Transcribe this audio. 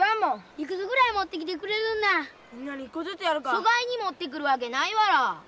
そがいに持ってくるわけないわら。